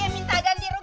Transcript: ayah minta ganti rugi